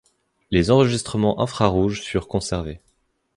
Les enregistrements infrarouges furent conservés.